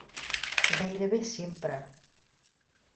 Gairebé sempre.